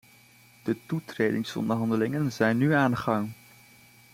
De toetredingsonderhandelingen zijn nu aan de gang.